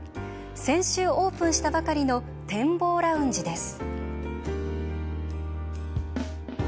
先週オープンしたばかりの展望ラウンジです。